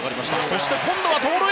そして今度は盗塁！